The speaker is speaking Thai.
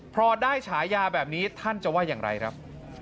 พอได้ฉายาแบบนี้ท่านจะว่าอย่างไรครับ